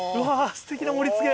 すてきな盛り付け。